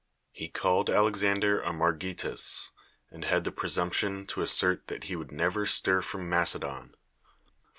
lie called ,\i'xander a margitos, and had tlie presumi>tion t'» assert that he would never slir fi om ]\lace(lon : I'd!"